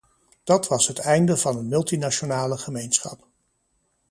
Dat was het einde van een multinationale gemeenschap.